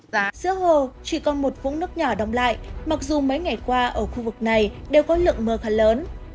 giữa hồ chỉ còn một vũng nước nhỏ đóng lại mặc dù mấy ngày qua ở khu vực này đều có lượng mưa khá lớn